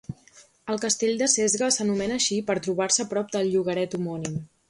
El castell de Sesga s'anomena així per trobar-se prop del llogaret homònim.